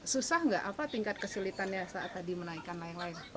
susah nggak apa tingkat kesulitannya saat tadi menaikkan layang layang